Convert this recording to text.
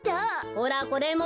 ほらこれも！